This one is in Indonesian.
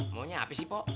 maunya api sih pok